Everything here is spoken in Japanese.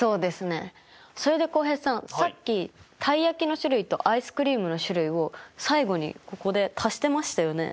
それで浩平さんさっきたい焼きの種類とアイスクリームの種類を最後にここで足してましたよね。